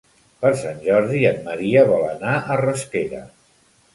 Per Sant Jordi en Maria vol anar a Rasquera.